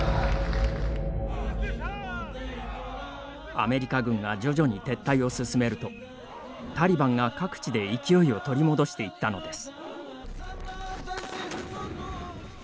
アメリカ軍が徐々に撤退を進めるとタリバンが各地で勢いを取り戻していったのです。